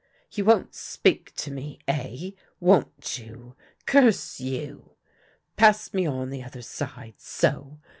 " You won't speak to me, eh ? Won't you ? Curse you! Pass me on the other side — so!